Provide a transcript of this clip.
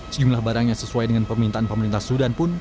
jumlah barang yang sesuai dengan permintaan pemerintah sudan pun